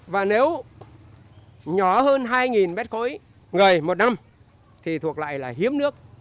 và nếu nhỏ hơn hai m ba người một năm thì thuộc loại là hiếm nước